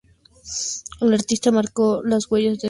El artista marcó las huellas de sus zapatos sobre el lienzo.